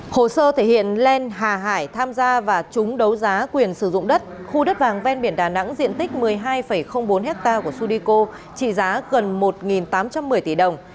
hồ sơ thể hiện len hải hà tham gia và trúng đấu giá quyền sử dụng đất khu đất vàng ven biển đà nẵng diện tích một mươi hai bốn ha của sudeko trị giá gần một tám trăm một mươi tỷ đồng